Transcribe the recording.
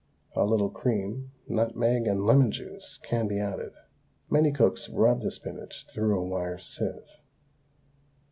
A little cream, nutmeg, and lemon juice can be added. Many cooks rub the spinach through a wire sieve.